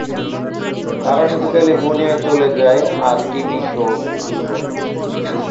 তারা শুধু ক্যালিফোর্নিয়ায় চলে যায় আর টিভি শো শুরু করে।